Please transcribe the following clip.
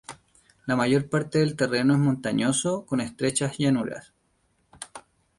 La mayor parte del terreno es montañoso, con estrechas llanuras.